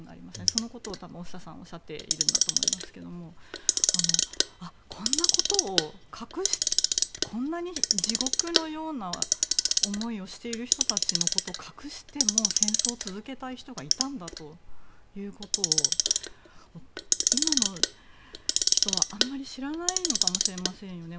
そのことを大下さんがおっしゃっていると思いますがこんな地獄のような思いをしている人たちのことを隠しても、戦争を続けたい人がいたんだということを今の人は、あまり知らないのかもしれませんよね。